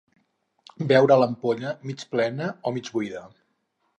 Veure l'ampolla mig plena o mig buida.